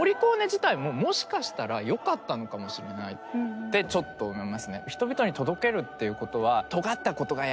ってちょっと思いますね。